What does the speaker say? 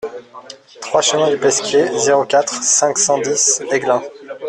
trois chemin du Pesquier, zéro quatre, cinq cent dix Aiglun